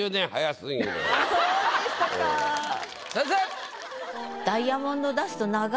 先生！